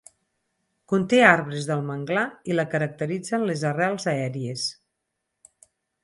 Conté arbres del manglar, i la caracteritzen les arrels aèries.